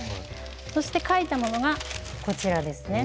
そして描いたものがこちらですね。